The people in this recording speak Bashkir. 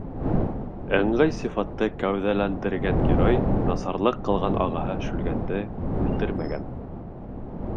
Ыңғай сифатты кәүҙәләндергән герой насарлыҡ ҡылған ағаһы Шүлгәнде үлтермәгән.